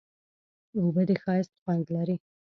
اوبه د ښایست خوند لري.